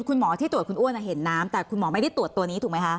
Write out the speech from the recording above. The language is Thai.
คุณหมอที่ตรวจคุณอ้วนเห็นน้ำแต่คุณหมอไม่ได้ตรวจตัวนี้ถูกไหมคะ